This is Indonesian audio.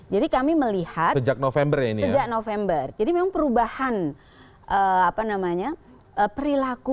jadi kami melihat sejak november ini ya